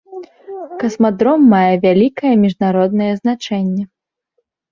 Касмадром мае вялікае міжнароднае значэнне.